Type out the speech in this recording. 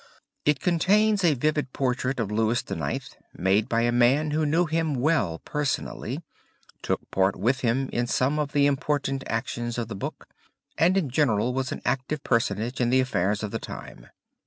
It contains a vivid portrait of Louis IX., made by a man who knew him well personally, took part with him in some of the important actions of the book, and in general was an active personage in the affairs of the time.